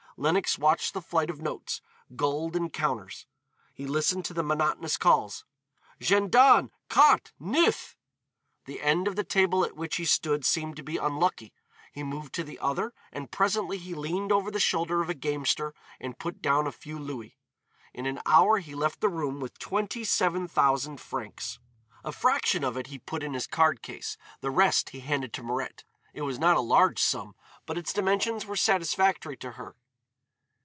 Lenox watched the flight of notes, gold and counters. He listened to the monotonous calls: J'en donne! Carte! Neuf! The end of the table at which he stood seemed to be unlucky. He moved to the other, and presently he leaned over the shoulder of a gamester and put down a few louis. In an hour he left the room with twenty seven thousand francs. A fraction of it he put in his card case, the rest he handed to Mirette. It was not a large sum, but its dimensions were satisfactory to her.